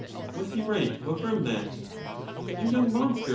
Was he right who affirmed that? You young monster!